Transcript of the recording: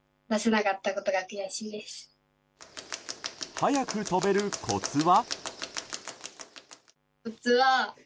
速く跳べるコツは？